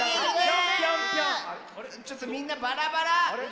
ちょっとみんなバラバラ！